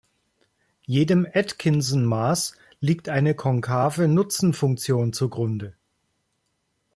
Jedem Atkinson-Maß liegt eine konkave Nutzenfunktion zugrunde.